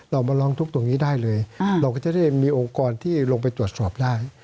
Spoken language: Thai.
เรามาร้องทุกข์ตรงนี้ได้เลยเราก็จะได้มีองค์กรที่ลงไปตรวจสอบได้